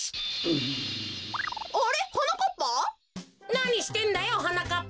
なにしてんだよはなかっぱ。